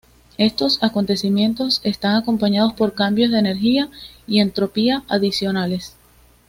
Estos acontecimientos están acompañados por cambios de energía y entropía adicionales.